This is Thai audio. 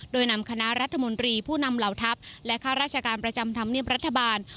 โดยนำคณะรัฐมนตรีผู้นำเหล่าทัพและข้าราชการประจำธรรมเนียบรัฐบาล